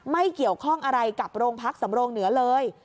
ไม่เกี่ยวข้องอะไรกับโรงพักสำโรงเหนือเลย